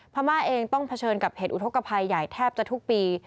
พม่าเองต้องเผชิญกับเหตุอุทธกภัยใหญ่แทบจะทุกปี